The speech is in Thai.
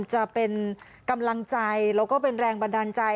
จะเป็นกำลังใจแล้วก็เป็นแรงบันดาลใจ